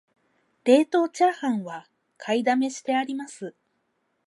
冷凍チャーハンは買いだめしてあります